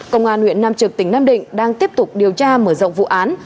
công an huyện nam trực tỉnh nam định đang tiếp tục điều tra mở rộng vụ án